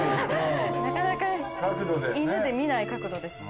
なかなか犬で見ない角度ですね。